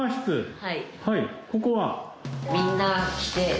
はい。